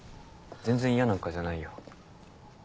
全然イヤなんかじゃないよ。